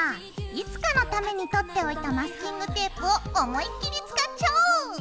いつかのためにとっておいたマスキングテープを思いっきり使っちゃおう！